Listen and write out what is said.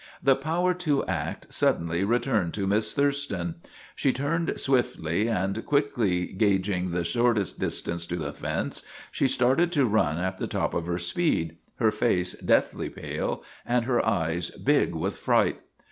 The power to act suddenly returned to Miss Thurston. She turned swiftly, and quickly gaging the shortest distance to the fence, she started to run at the top of her speed, her face deathly pale and her eyes big with fright.